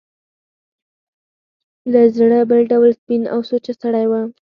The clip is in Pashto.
له زړه بل ډول سپین او سوچه سړی و.